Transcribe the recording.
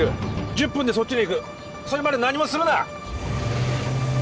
１０分でそっちに行くそれまで何もするな！